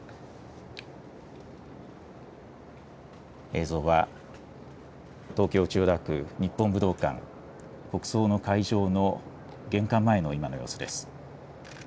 映像は、東京・千代田区日本武道館、国葬の会場の玄関前の今の様子です。